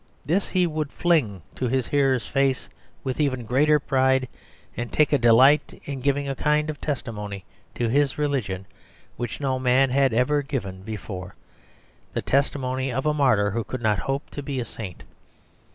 This he would fling in his hearer's face with even greater pride, and take a delight in giving a kind of testimony to his religion which no man had ever given before the testimony of a martyr who could not hope to be a saint.